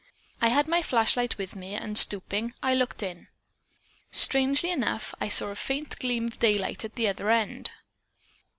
I had my flashlight with me, and stooping, I looked in. Strangely enough, I saw a faint gleam of daylight at the other end."